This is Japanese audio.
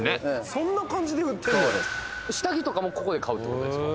そんな感じで売ってんねや下着とかもここで買うってことですか？